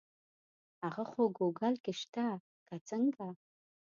هغه خو ګوګل کې شته که څنګه.